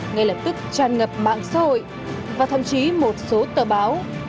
ngay lập tức tràn ngập mạng xã hội và thậm chí một số tờ báo